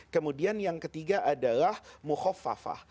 kemudian yang ketiga adalah muhofafah